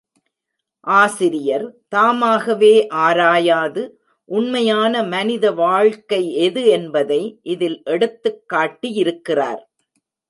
ஆசிரியர் தாமாகவே ஆராயாது, உண்மையான மனித வாழ்க்கை எது என்பதை இதில் எடுத்துக் காட்டியிருக்கிறார்.